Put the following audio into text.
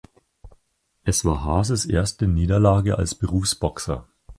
Es war Hases erste Niederlage als Berufsboxer.